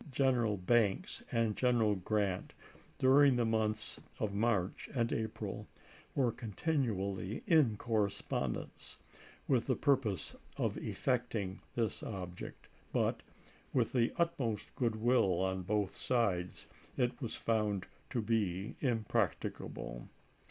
General Banks and Gen eral Grant, during the months of March and April, were continually in correspondence, with the purpose of effecting this object, but, with the utmost good will on both sides, it was found to be impracticable.